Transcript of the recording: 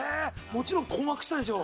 もちろん困惑したでしょ？